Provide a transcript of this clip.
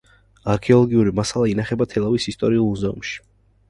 არქეოლოგიური მასალა ინახება თელავის ისტორიულ მუზეუმში.